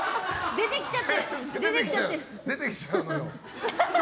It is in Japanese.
出てきちゃうのよ。